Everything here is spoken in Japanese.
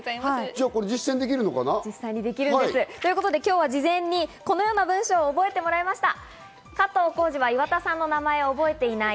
じゃあこれは、実践できるのかな？ということで今日は事前にこのような文章を覚えてもらいました。